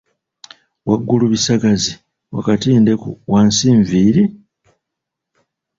"Waggulu bisagazi, wakati ndeku, wansi nviiri?"